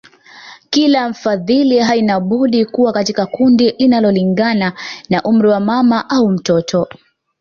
Kila mfadhili haina budi kuwa katika kundi linalolingana na umri wa mama au mtoto